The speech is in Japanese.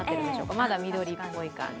まだ緑っぽい感じ。